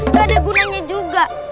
nggak ada gunanya juga